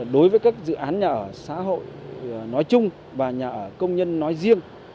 đối với các dự án nhà ở xã hội nói chung và nhà ở công nhân nói riêng